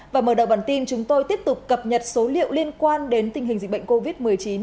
và mở đầu bản tin chúng tôi tiếp tục cập nhật số liệu liên quan đến tình hình dịch bệnh covid một mươi chín